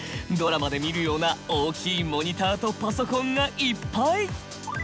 ドラマで見るような大きいモニターとパソコンがいっぱい！